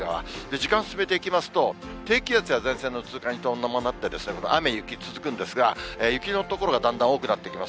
時間進めていきますと、低気圧や前線の通過に伴って、この雨、雪、続くんですが、雪の所がだんだん多くなってきます。